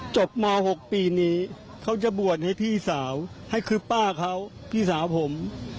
ม๖ปีนี้เขาจะบวชให้พี่สาวให้คือป้าเขาพี่สาวผม